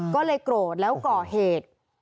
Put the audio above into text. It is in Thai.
ก็เลยโกรธแล้วก่อเหตุ